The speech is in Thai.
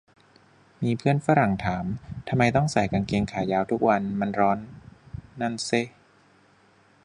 มีเพื่อนฝรั่งถาม ทำไมต้องใส่กางเกงขายาวทุกวัน มันร้อน นั่นเซะ